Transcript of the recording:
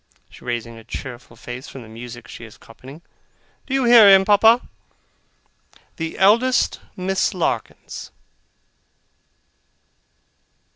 raising her cheerful face from the music she is copying. 'Do you hear him, Papa? The eldest Miss Larkins.